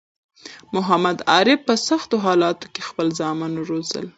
محمد عارف په سختو حالاتو کی خپل زامن وروزل